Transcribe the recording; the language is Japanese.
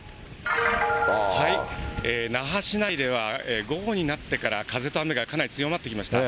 那覇市内では、午後になってから風と雨がかなり強まってきました。